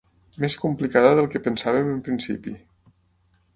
Més complicada del que pensàvem en principi.